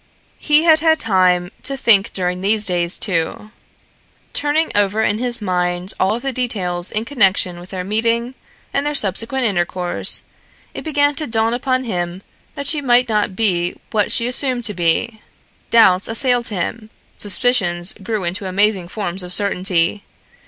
He had had time to think during these days, too. Turning over in his mind all of the details in connection with their meeting and their subsequent intercourse, it began to dawn upon him that she might not be what she assumed to be. Doubts assailed him, suspicions grew into amazing forms of certainty.